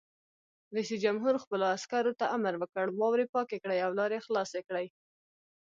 رئیس جمهور خپلو عسکرو ته امر وکړ؛ واورې پاکې کړئ او لارې خلاصې کړئ!